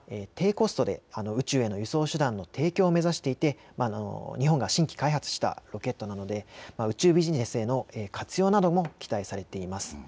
Ｈ３は低コストで宇宙への輸送手段の提供を目指していて日本が新規開発したロケットなので宇宙ビジネスへの活用なども期待されています。